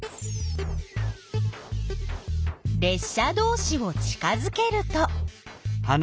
れっ車どうしを近づけると？